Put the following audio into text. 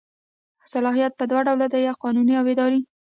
صلاحیت په دوه ډوله دی قانوني او اداري.